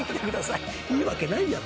いいわけないやろ。